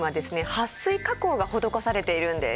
はっ水加工が施されているんです。